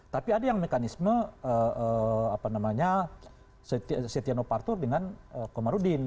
tapi ada yang mekanisme apa namanya setiano partur dengan komarudin